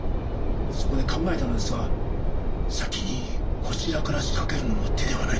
そこで考えたのですが先にこちらから仕掛けるのも手ではないかと。